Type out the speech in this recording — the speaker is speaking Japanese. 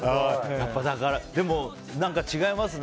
でも違いますね。